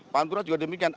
pantura juga demikian